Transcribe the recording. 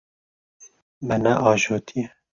Me neajotiye.